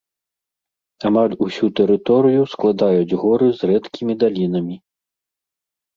Амаль усю тэрыторыю складаюць горы з рэдкімі далінамі.